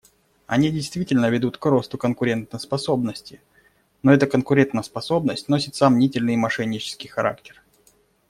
Они действительно ведут к росту конкурентоспособности, но эта конкурентоспособность носит сомнительный и мошеннический характер.